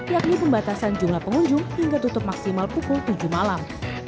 yakni pembatasan jumlah pengunjung hingga tutup maksimal pukul tujuh malam